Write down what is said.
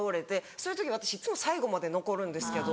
そういう時私いつも最後まで残るんですけど。